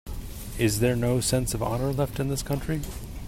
Is there no sense of honor left in this country?